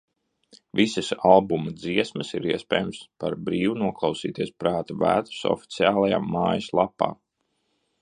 Visas albuma dziesmas ir iespējams par brīvu noklausīties Prāta Vētras oficiālajā mājas lapā.